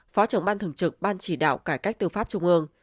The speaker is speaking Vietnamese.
phó trưởng ban thường trực ban chỉ đạo cải cách tư pháp trung ương